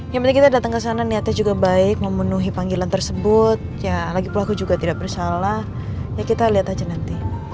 ya kita datang kesana niatnya juga baik memenuhi panggilan tersebut ya lagi pulaku juga tidak bersalah ya kita lihat aja nanti